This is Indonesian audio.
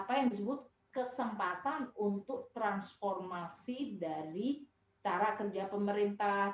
inilah yang kemudian menimbulkan kesempatan untuk transformasi dari cara kerja pemerintah